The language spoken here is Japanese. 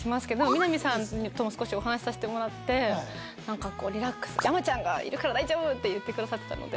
みな実さんとも少しお話しさせてもらってなんかこうリラックス「山ちゃんがいるから大丈夫！」って言ってくださってたので。